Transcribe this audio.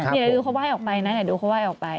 เดี๋ยวดูเขาไหว้ออกไปนะดูเขาไหว้ออกไป